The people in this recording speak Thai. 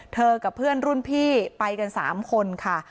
กับเพื่อนรุ่นพี่ไปกัน๓คนค่ะ